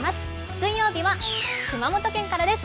水曜日は熊本県からです。